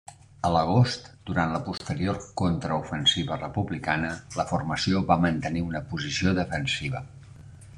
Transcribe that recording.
A l'agost, durant la posterior contraofensiva republicana, la formació va mantenir una posició defensiva.